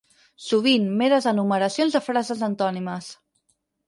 Sovint meres enumeracions de frases antònimes.